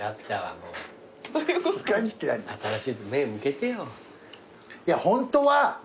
新しいやつ目向けてよ。